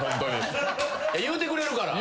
言うてくれるから。